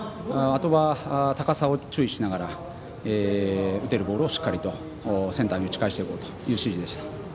あとは、高さを注意しながら打てるボールをしっかりとセンターに打ち返していこうという指示でした。